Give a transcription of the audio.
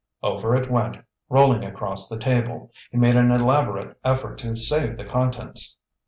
Over it went, rolling across the table. He made an elaborate effort to save the contents.